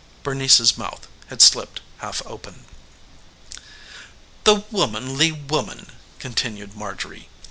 Bernice's mouth had slipped half open. "The womanly woman!" continued Marjorie.